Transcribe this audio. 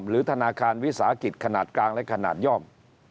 หรือธนาคารวิสาหกิจขนาดกลางและขนาดย่อม